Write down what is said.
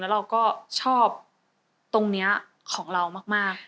เราก็ชอบตรงนี้ของเรามาก